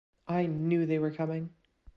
I knew they were coming.